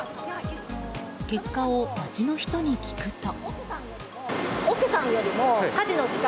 結果を街の人に聞くと。